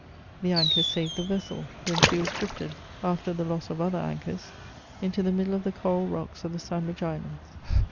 The anchor saved the vessel, when she was drifted, after the loss of other anchors, into the middle of the coral rocks of the Sandwich Islands.